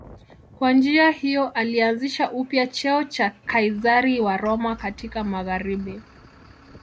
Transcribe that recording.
Kwa njia hiyo alianzisha upya cheo cha Kaizari wa Roma katika magharibi.